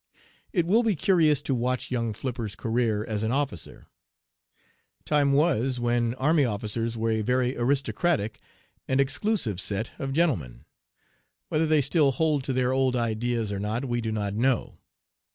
"It will be curious to watch young Flipper's career as an officer. Time was when army officers were a very aristocratic and exclusive set of gentlemen, whether they still hold to their old ideas, or not, we do not know.